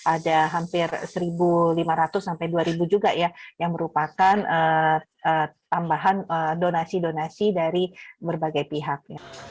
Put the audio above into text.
ada hampir satu lima ratus sampai dua ribu juga ya yang merupakan tambahan donasi donasi dari berbagai pihak